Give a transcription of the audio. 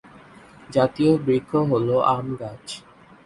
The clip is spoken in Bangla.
জাতীয় বৃক্ষ হলো আম গাছ।